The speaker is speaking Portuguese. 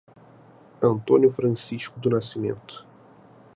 Antônio Francisco do Nascimento